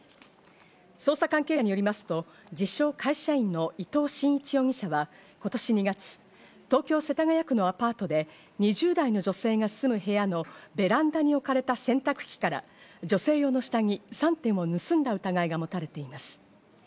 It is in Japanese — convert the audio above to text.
捜査関係者によりますと自称会社員の伊藤真一容疑者は今年２月、東京・世田谷区のアパートで２０代の女性が住む部屋のベランダに置かれた洗濯機から女性用の下着３点を盗んだ疑いが持たれています。